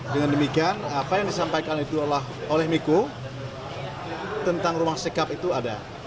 dengan demikian apa yang disampaikan itu oleh miko tentang rumah sekap itu ada